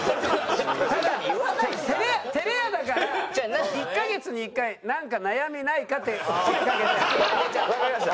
ただ照れ屋照れ屋だから１カ月に１回「なんか悩みないか？」って声かけてあげて。